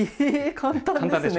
簡単ですね。